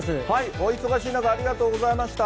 お忙しい中、ありがとうございました。